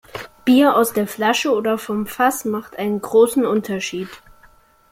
Bier aus der Flasche oder vom Fass macht einen großen Unterschied.